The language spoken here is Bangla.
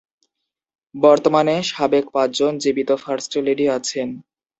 বর্তমানে সাবেক পাঁচজন জীবিত ফার্স্ট লেডি আছেন।